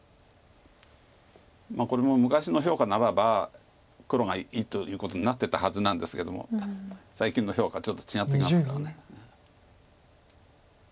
これも昔の評価ならば黒がいいということになってたはずなんですけども最近の評価はちょっと違ってますから。